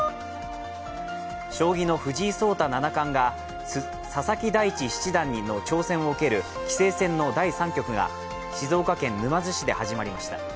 将棋の藤井聡太七冠が佐々木大地七段の挑戦を受ける棋聖戦の第３局が静岡県沼津市で始まりました。